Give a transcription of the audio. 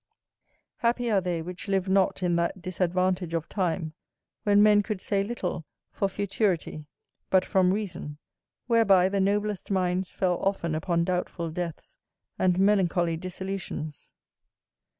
Happy are they which live not in that disadvantage of time, when men could say little for futurity, but from reason: whereby the noblest minds fell often upon doubtful deaths, and melancholy dissolutions.